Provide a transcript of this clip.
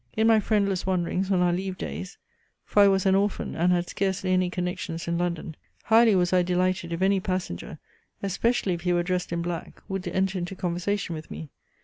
In my friendless wanderings on our leave days , (for I was an orphan, and had scarcely any connections in London,) highly was I delighted, if any passenger, especially if he were dressed in black, would enter into conversation with me.